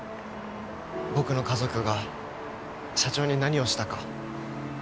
僕の家族が社長に何をしたか。